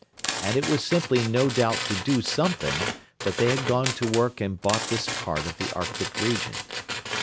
And it was simply no doubt to do something that they had gone to work and bought this part of the Arctic region.